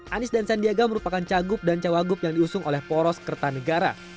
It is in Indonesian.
anis dan sandiaga merupakan cagup dan cawagup yang diusung oleh poros kerta negara